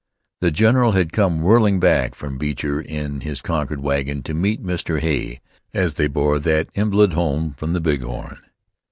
The general had come whirling back from Beecher in his Concord wagon, to meet Mr. Hay as they bore that invalid homeward from the Big Horn.